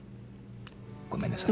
ごめんなさい。